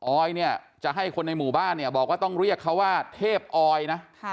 ออยเนี่ยจะให้คนในหมู่บ้านเนี่ยบอกว่าต้องเรียกเขาว่าเทพอออยนะ